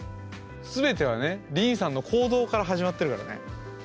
全てはねりんさんの行動から始まってるからね。